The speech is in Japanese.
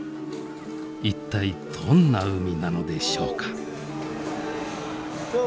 一体どんな海なのでしょうか。